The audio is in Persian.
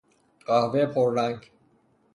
قهوه پررنگ